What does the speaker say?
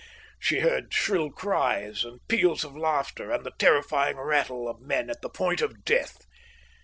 She heard shrill cries and peals of laughter and the terrifying rattle of men at the point of death.